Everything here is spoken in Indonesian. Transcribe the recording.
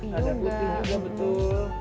lada putih juga betul